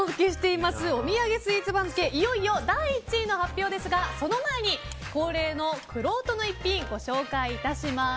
いよいよ第１位の発表ですがその前に恒例のくろうとの逸品をご紹介致します。